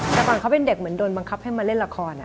แต่ก่อนเขาเป็นเด็กเหมือนโดนบังคับให้มาเล่นละคร